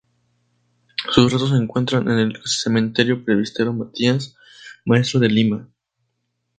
Sus restos se encuentran en el Cementerio Presbítero Matías Maestro de Lima.